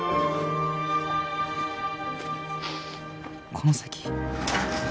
「この先」